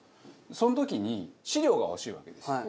その時に資料が欲しいわけですよ。